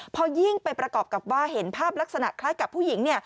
พอยิ่งไปประกอบกับว่าเห็นภาพลักษณะคล้ายกับผู้หญิง